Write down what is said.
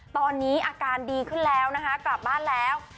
ตอนนี้อาการดีขึ้นแล้วนะคะกลับบ้านแล้ว